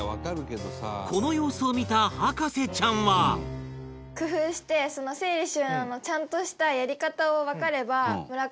この様子を見た博士ちゃんは工夫して整理収納のちゃんとしたやり方をわかれば。